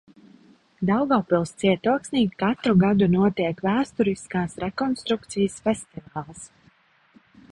Daugavpils cietoksnī katru gadu notiek vēsturiskās rekonstrukcijas festivāls.